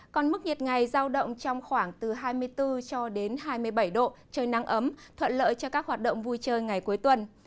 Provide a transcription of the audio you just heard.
còn mức nhiệt ngày giao động trong khoảng từ hai mươi bốn cho đến hai mươi bảy độ trời nắng ấm thuận lợi cho các hoạt động vui chơi ngày cuối tuần